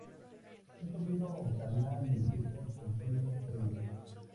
Es sobrino carnal del escritor Antonio Pereira.